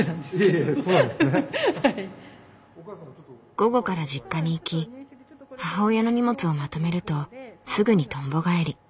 午後から実家に行き母親の荷物をまとめるとすぐにとんぼ返り。